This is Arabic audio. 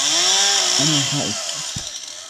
أنا خائف.